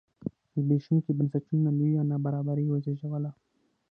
زبېښوونکو بنسټونو لویه نابرابري وزېږوله.